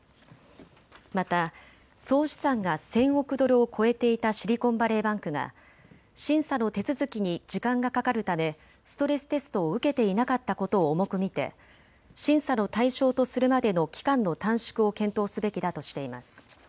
また総資産が１０００億ドルを超えていたシリコンバレーバンクが審査の手続きに時間がかかるためストレステストを受けていなかったことを重く見て審査の対象とするまでの期間の短縮を検討すべきだとしています。